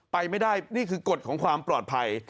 ไปไม่ได้นี่คือกฎของความปลอดภัย